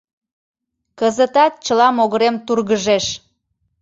Кызытат чыла могырем тургыжеш.